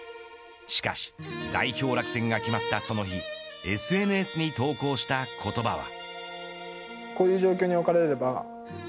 しかし代表落選が決まったその日ＳＮＳに投稿した言葉は。